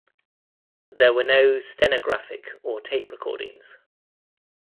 There were no stenographic or tape recordings.